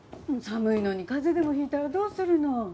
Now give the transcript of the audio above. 寒いのに風邪でも引いたらどうするの？